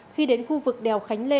khi đến khu vực đèo khánh lê